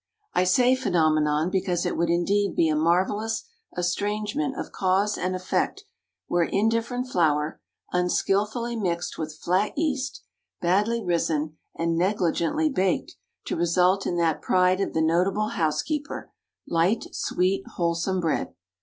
I say phenomenon, because it would indeed be a marvellous estrangement of cause and effect were indifferent flour, unskillfully mixed with flat yeast, badly risen and negligently baked, to result in that pride of the notable housekeeper—light, sweet, wholesome bread.